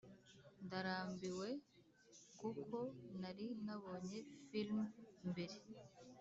ndarambiwe kuko nari nabonye film mbere.